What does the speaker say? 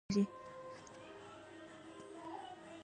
سازمان لاندې ذکر شوي ځانګړي مشخصات لري.